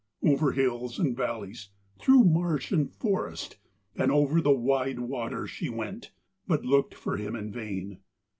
Over hills and valleys, through marsh and forest, and over the wide waters she went, but looked for him in vain.